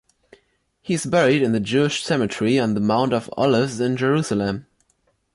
He is buried in the Jewish cemetery on the Mount of Olives in Jerusalem.